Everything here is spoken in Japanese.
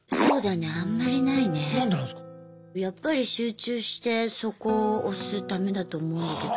やっぱり集中してそこを推すためだと思うんだけど。